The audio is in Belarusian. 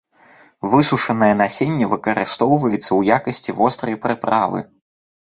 Высушанае насенне выкарыстоўваецца ў якасці вострай прыправы.